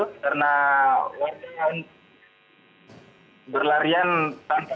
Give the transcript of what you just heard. karena warga yang berlarian tanpa tujuan